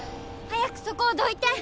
早くそこをどいて！